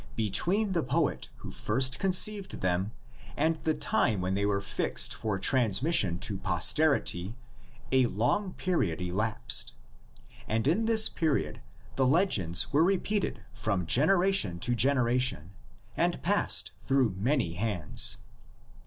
Between the poet who first conceived them and the time when they were fixed for transmission to pos terity a long period elapsed, and in this period the legends were repeated from generation to genera tion and passed through many hands.